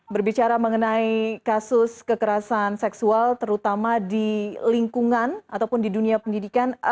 berbicara mengenai kasus kekerasan seksual terutama di lingkungan ataupun di dunia pendidikan